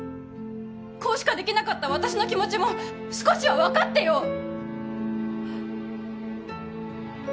こうしかできなかった私の気持ちも少しは分かってよ！